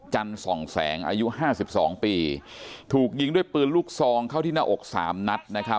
ส่องแสงอายุห้าสิบสองปีถูกยิงด้วยปืนลูกซองเข้าที่หน้าอกสามนัดนะครับ